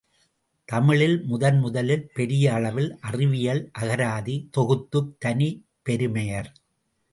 தமிழில் முதன்முதலில் பெரிய அளவில் அறிவியல் அகராதி தொகுத்த தனிப் பெருமையர்.